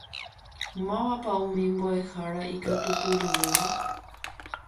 Mávapa umi mboʼehára ikatupyryvéva?